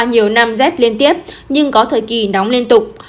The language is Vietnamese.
nhiều năm rét liên tiếp nhưng có thời kỳ nóng liên tục